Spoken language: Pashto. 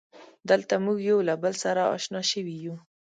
دلته مونږ یو له بله سره اشنا شوي یو.